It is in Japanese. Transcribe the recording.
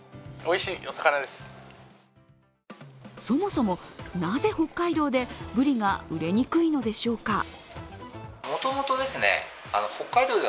そもそもなぜ北海道でブリが売れにくいのでしょうか。